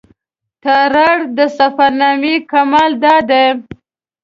تارړ د سفرنامو کمال دا دی.